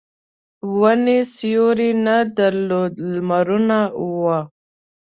ونې سیوری نه درلود لمرونه وو.